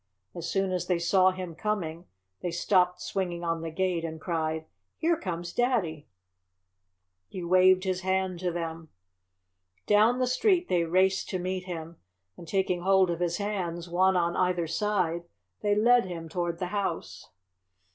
As soon as they saw him coming they stopped swinging on the gate and cried: "Here comes Daddy!" He waved his hand to them. Down the street they raced to meet him, and taking hold of his hands, one on either side, they led him toward the house.